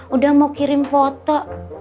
udah mau kirim foto